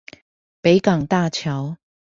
北港大橋